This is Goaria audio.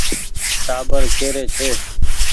ٽآٻر ڪي ري ڇي ۔